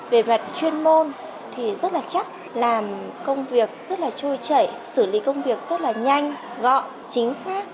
về mặt chuyên môn thì rất là chắc làm công việc rất là trôi chảy xử lý công việc rất là nhanh gọn chính xác